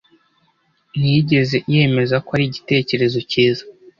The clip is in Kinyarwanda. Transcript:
ntiyigeze yemeza ko ari igitekerezo cyiza.